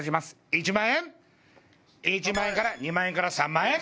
１万円から２万円から３万円！